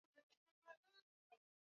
ulinzi wa kura uliachiwa poli